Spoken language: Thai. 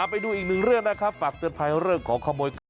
ไปดูอีกหนึ่งเรื่องนะครับฝากเตือนภัยเรื่องของขโมยข้าว